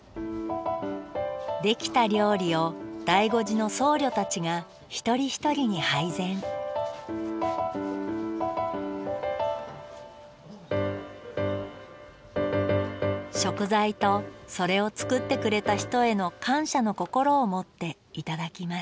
出来た料理を醍醐寺の僧侶たちが一人一人に配膳食材とそれを作ってくれた人への感謝の心を持って頂きます。